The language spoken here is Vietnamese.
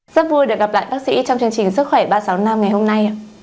rất vui được gặp lại bác sĩ trong chương trình sức khỏe ba trăm sáu mươi năm ngày hôm nay